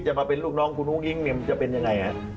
จะมาเป็นลูกน้องคุณฮุ้งอิงมันจะเป็นอย่างไร